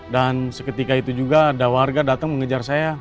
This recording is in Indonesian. dan seketika itu juga ada warga datang mengejar saya